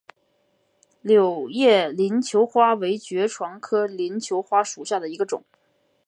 柳叶鳞球花为爵床科鳞球花属下的一个种。